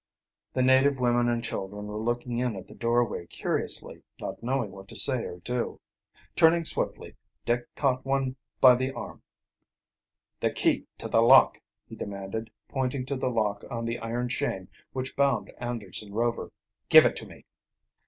The native women and children were looking in at the doorway curiously, not knowing what to say or do. Turning swiftly, Dick caught one by the arm. "The key to the lock," he demanded, pointing to the lock on the iron chain which bound Anderson Rover. "Give it to me."